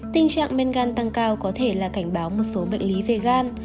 tình trạng men gan tăng cao có thể là cảnh báo một số bệnh lý về gan